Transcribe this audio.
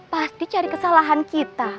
pasti cari kesalahan kita